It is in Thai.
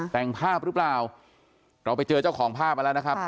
แต่งภาพหรือเปล่าเราไปเจอเจ้าของภาพมาแล้วนะครับ